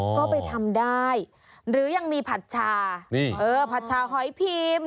ก็ไปทำได้หรือยังมีผัดชาผัดชาหอยพิมพ์